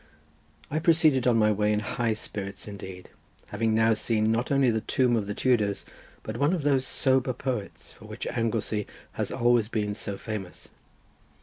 I proceeded on my way in high spirits indeed, having now seen not only the tomb of the Tudors, but one of those sober poets for which Anglesey has always been so famous.